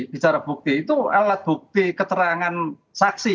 bicara bukti itu alat bukti keterangan saksi